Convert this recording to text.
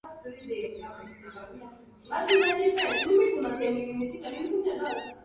za kulevya ni kemikali ambazo ziingiapo mwilini huathiri ubongo wa mtumiaji